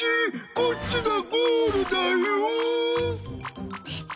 こっちがゴールだよ。